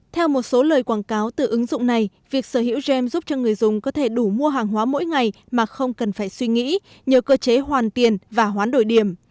theo một số lời quảng cáo từ ứng dụng này việc sở hữu gem giúp cho người dùng có thể đủ mua hàng hóa mỗi ngày mà không cần phải suy nghĩ nhờ cơ chế hoàn tiền và hoán đổi điểm